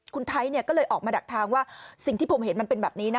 คุณไทยก็เลยออกมาดักทางว่าสิ่งที่ผมเห็นมันเป็นแบบนี้นะ